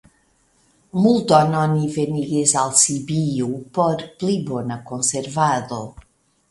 Multon oni venigis al Sibiu por pli bona konservado.